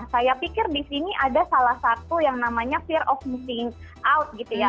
saya pikir di sini ada salah satu yang namanya fear of missing out gitu ya